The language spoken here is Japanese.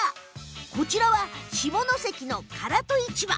こちらは、下関の唐戸市場。